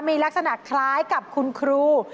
มีลักษณะคล้ายกับคุณครู